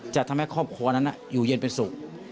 จะทำให้ครอบครัวนั้นอยู่เย็นเป็นสุข